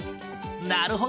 なるほど。